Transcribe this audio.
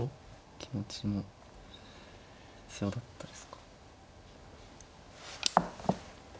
気持ちも必要だったですか。